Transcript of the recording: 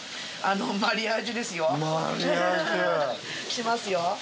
しますよ。